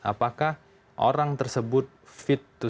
apakah orang tersebut fit untuk itu